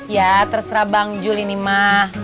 ya terserah bang jul ini mah